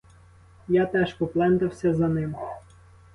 Я теж поплентався за ним.